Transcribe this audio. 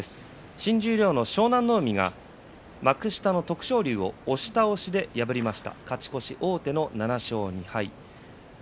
新十両の湘南乃海が幕下の徳勝龍を押し倒しで破りました。